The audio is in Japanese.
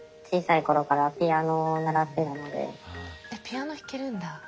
そのピアノ弾けるんだ。